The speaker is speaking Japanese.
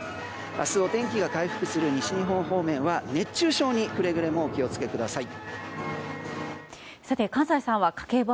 明日お天気が回復する西日本方面は熱中症にくれぐれもお気を付けください。